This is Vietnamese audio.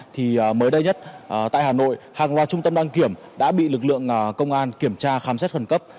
thì mới đây nhất tại hà nội hàng loạt trung tâm đăng kiểm đã bị lực lượng công an kiểm tra khám xét khẩn cấp